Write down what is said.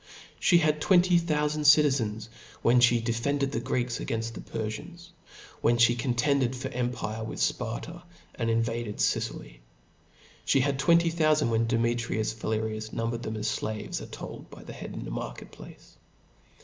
She had twenty CO^^ .^^thoufand citizens (*), when flie defended the Greeks of t>ericles, againfl: the Perfians, when fhe contended for empire Critia!'* with Sparta, and invaded Sicily. She had twenty thoufand when Demetrius Phalereus numbered them*, as flaves are told by the head in a market* place.